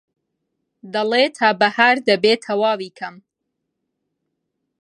دەڵێ تا بەهار دەبێ تەواوی کەم